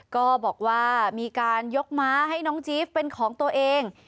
ก็บอกว่ามีการยกม้าให้น้องจี๊บเป็นของตัวเอง